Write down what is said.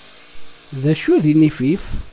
D acu d inifif?